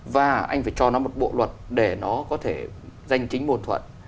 và anh phải cho nó một bộ luật để nó có thể giành chính môn thuận